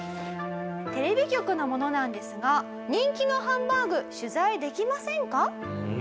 「テレビ局の者なんですが人気のハンバーグ取材できませんか？」。